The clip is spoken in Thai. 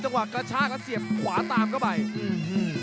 จังหวะกระชากแล้วเสียบขวาตามเข้าไป